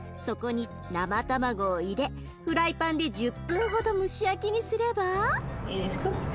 そこに生卵を入れフライパンで１０分ほど蒸し焼きにすれば。